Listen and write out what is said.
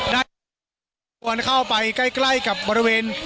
วนเข้าไปใกล้กับบริเวณ